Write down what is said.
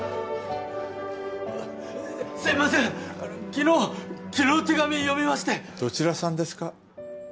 すいません昨日昨日手紙読みましてどちらさんですか？